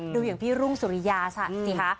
ดูอย่างพี่รุ่งสุริยาซะสิคะ